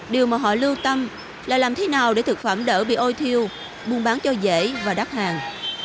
điều mà họ lưu tâm là làm thế nào để thực phẩm đỡ bị ôi thiêu buôn bán cho dễ và đắt hàng